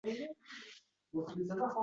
Hamma narsaning bahosi bor